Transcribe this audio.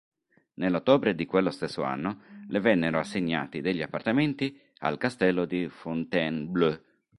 Nell'ottobre di quello stesso anno, le vennero assegnati degli appartamenti al Castello di Fontainebleau.